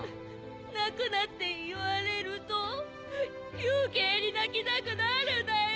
なくなっていわれるとよけいになきたくなるんだよ。